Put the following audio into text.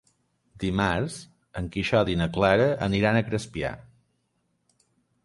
Dimarts en Quixot i na Clara aniran a Crespià.